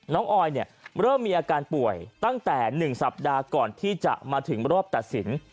ออยเริ่มมีอาการป่วยตั้งแต่๑สัปดาห์ก่อนที่จะมาถึงรอบตัดสิน